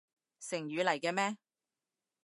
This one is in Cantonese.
成語嚟嘅咩？